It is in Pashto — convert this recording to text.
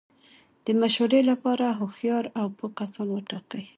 د مشورې له پاره هوښیار او پوه کسان وټاکئ!